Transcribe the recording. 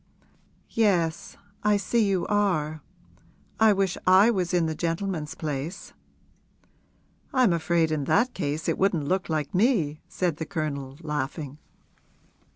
'Yes; I see you are. I wish I was in the gentleman's place.' 'I'm afraid in that case it wouldn't look like me,' said the Colonel, laughing.